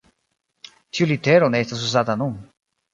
Tiu litero ne estas uzata nun.